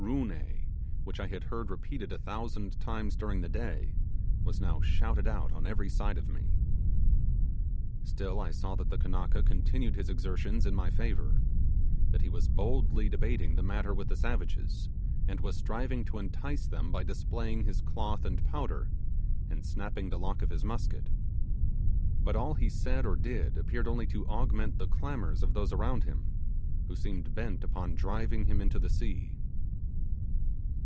Roo ne!' which I had heard repeated a thousand times during the day, was now shouted out on every side of me. Still I saw that the Kanaka continued his exertions in my favour that he was boldly debating the matter with the savages, and was striving to entice them by displaying his cloth and powder, and snapping the lock of his musket. But all he said or did appeared only to augment the clamours of those around him, who seemed bent upon driving him into the sea.